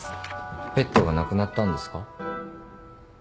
ペットが亡くなったんですか？